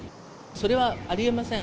それはありえません。